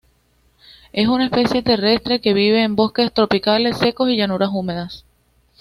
Es una especie terrestre que vive en bosques tropicales secos y llanuras húmedas.